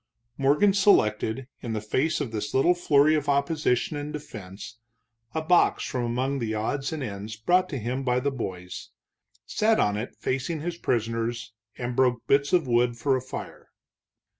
Morgan selected, in the face of this little flurry of opposition and defense, a box from among the odds and ends brought him by the boys, sat on it facing his prisoners and broke bits of wood for a fire.